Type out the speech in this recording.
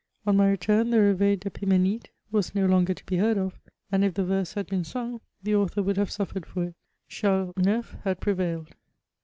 '' On ray return^ the Reveil cTEpimenide was no longer to be heard of ; and if the yerse had been sung, the author would have suffered for it. Charles IX, had prevailed.